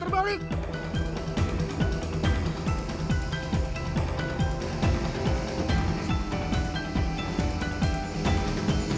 guys kita terbalik